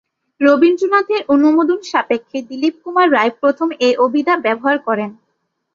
রবীন্দ্রনাথের অনুমোদন সাপেক্ষে দিলীপকুমার রায় প্রথম এ অভিধা ব্যবহার করেন।